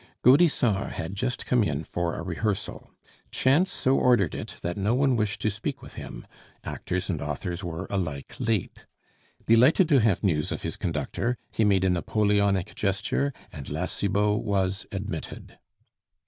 Gaudissart had just come in for a rehearsal. Chance so ordered it that no one wished to speak with him; actors and authors were alike late. Delighted to have news of his conductor, he made a Napoleonic gesture, and La Cibot was admitted.